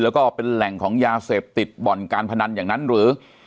แล้วก็เป็นแหล่งของยาเสพติดบ่อนการพนันอย่างนั้นหรือ